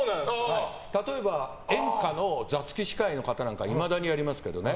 例えば、演歌の座付き司会の方なんかいまだにやりますけどね。